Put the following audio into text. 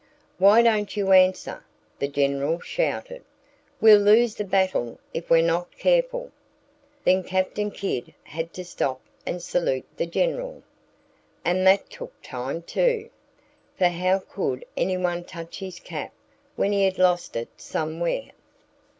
"Why don't you answer?" the General shouted. "We'll lose the battle if we're not careful!" Then Captain Kidd had to stop and salute the General. And that took time, too. For how could anyone touch his cap when he had lost it somewhere?